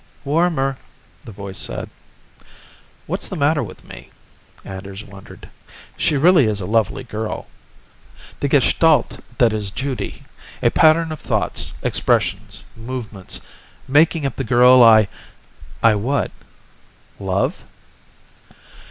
"Warmer," the voice said. What's the matter with me, Anders wondered. She really is a lovely girl. The gestalt that is Judy, a pattern of thoughts, expressions, movements, making up the girl I I what? Love?